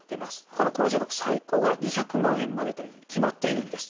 この控除額最高が２００万円までというふうに決まっているんです。